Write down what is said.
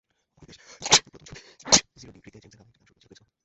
অনিমেষ আইচের প্রথম ছবি জিরো ডিগ্রিতেজেমসের গাওয়া একটি গান সুর করেছিলেন প্রিন্স মাহমুদ।